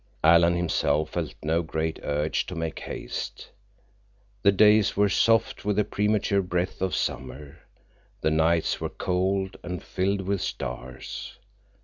Alan himself felt no great urge to make haste. The days were soft with the premature breath of summer. The nights were cold, and filled with stars.